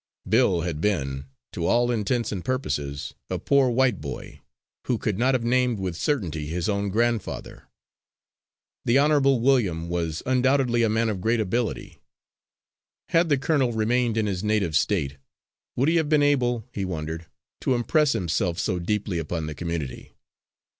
Bill had been, to all intents and purposes, a poor white boy; who could not have named with certainty his own grandfather. The Honourable William was undoubtedly a man of great ability. Had the colonel remained in his native State, would he have been able, he wondered, to impress himself so deeply upon the community?